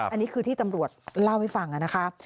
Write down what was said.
อันนี้คือที่ตำรวจเล่าให้ฟังนะคะ